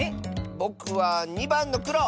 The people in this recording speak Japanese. ぼくは２ばんのくろ！